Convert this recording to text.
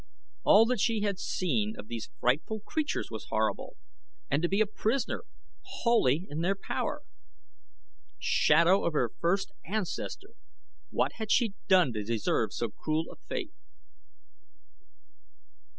All that she had seen of these frightful creatures was horrible. And to be a prisoner, wholly in their power. Shadow of her first ancestor! What had she done to deserve so cruel a fate?